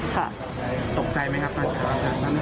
ตกใจมั้ยครับบ้านชาย